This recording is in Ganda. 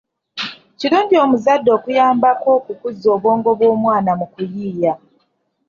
Kirungi omuzadde okunyambako okukuza obwongo bw’abaana mu kuyiiya.